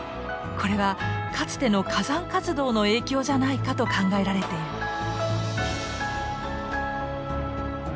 これはかつての火山活動の影響じゃないかと考えられてる。